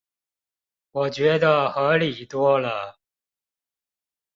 我覺得合理多了